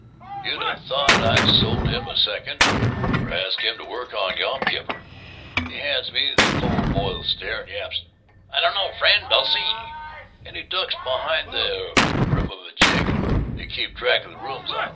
You'd 'a' thought I'd sold him a second, or asked him to work on Yom Kippur! He hands me the cold boiled stare and yaps, 'I dunno, friend, I'll see,' and he ducks behind the rigamajig they keep track of the rooms on.